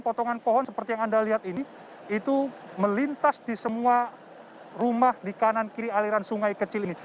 potongan pohon seperti yang anda lihat ini itu melintas di semua rumah di kanan kiri aliran sungai kecil ini